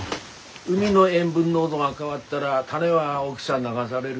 海の塩分濃度が変わったらタネは沖さ流される。